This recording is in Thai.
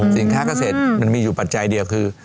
สินค้าเกษตรมันมีอยู่ปัจจัยเดียวคือ